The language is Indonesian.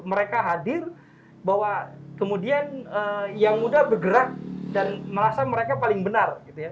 mereka hadir bahwa kemudian yang muda bergerak dan merasa mereka paling benar